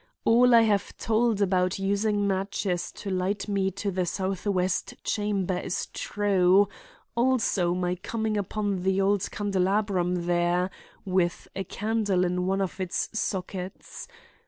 All I have told about using matches to light me to the southwest chamber is true, also my coming upon the old candelabrum there, with a candle in one of its sockets.